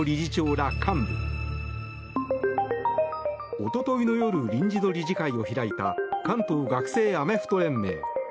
おとといの夜臨時の理事会を開いた関東学生アメフト連盟。